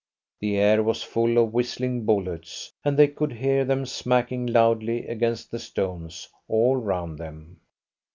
The air was full of whistling bullets, and they could hear them smacking loudly against the stones all round them.